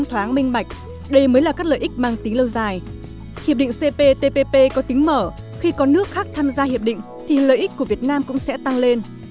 hiệp định cptpp có tính mở khi có nước khác tham gia hiệp định thì lợi ích của việt nam cũng sẽ tăng lên